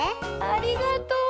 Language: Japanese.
ありがとう。